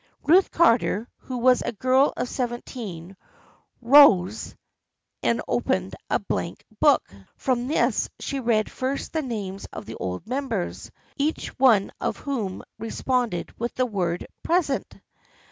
Ruth Carter, who was a girl of seventeen, rose and 56 THE FRIENDSHIP OF ANNE opened a blank book. From this she read first the names of the old members, each one of whom responded with the word " Present."